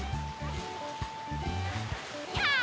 やあ！